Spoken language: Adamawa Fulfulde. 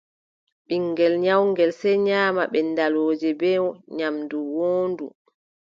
Ɓiŋngel nyawngel , sey nyaama ɓenndalooje bee nyaamdu woondu.